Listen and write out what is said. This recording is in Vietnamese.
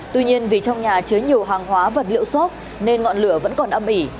tuy nhiên vì trong nhà chứa nhiều hàng hóa vật liệu xốp nên ngọn lửa vẫn còn âm ỉ